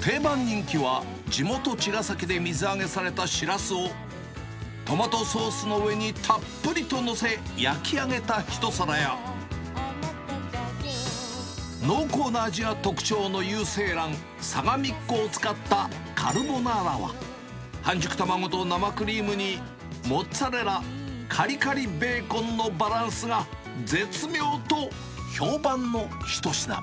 定番人気は、地元茅ヶ崎で水揚げされたシラスを、トマトソースの上にたっぷりと載せ、焼き上げた一皿や、濃厚な味が特徴の有精卵、さがみっこを使ったカルボナーラは、半熟卵と生クリームにモッツァレラ、かりかりベーコンのバランスが絶妙と評判の一品。